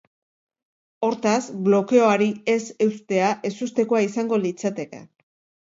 Hortaz, blokeoari ez eustea ezustekoa izango litzateke.